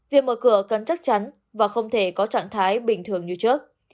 việc mở cửa cần chắc chắn và không thể có trạng thái bình thường như trước